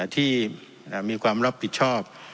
ที่มีความรับผิดชอบ